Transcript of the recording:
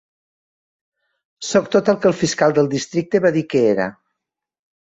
Soc tot el que el fiscal del districte va dir que era.